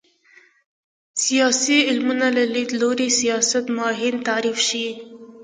سیاسي علومو له لید لوري سیاست ماهیت تعریف شي